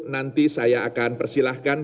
nanti saya akan persilahkan